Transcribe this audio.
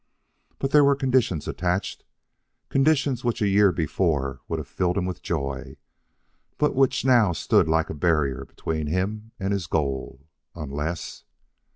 But there were conditions attached conditions which a year before would have filled him with joy, but which now stood like a barrier between him and his goal, unless....